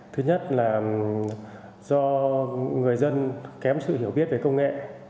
thứ nhất là do người dân kém sự hiểu biết về công nghệ